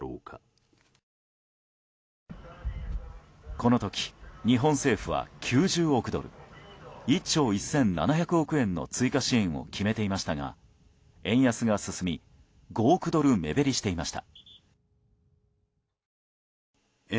この時、日本政府は９０億ドル１兆１７００億円の追加支援を決めていましたが円安が進み、５億ドル目減りしていました。